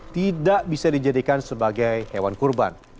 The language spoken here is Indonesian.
tidak bisa dijadikan sebagai hewan kurban